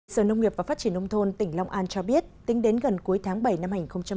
sở nông nghiệp và phát triển nông thôn tỉnh long an cho biết tính đến gần cuối tháng bảy năm hai nghìn hai mươi